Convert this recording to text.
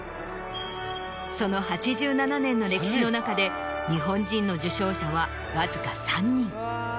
その８７年の歴史の中で日本人の受賞者はわずか３人。